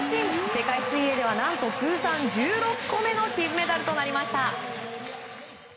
世界水泳では何と通算１６個目の金メダルとなりました。